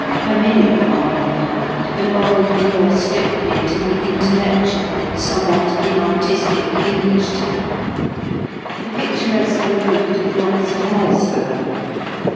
Herminia, on the other hand, belonged more strictly to the intellectual and somewhat inartistic English type. The picturesque alone did not suffice for her.